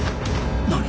何！